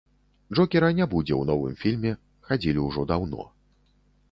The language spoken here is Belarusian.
Джокера не будзе ў новым фільме хадзілі ўжо даўно.